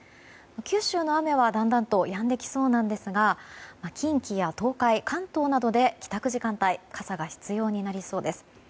九州の雨はだんだんとやんできそうですが近畿や東海、関東などで帰宅時間帯傘が必要になりそうです。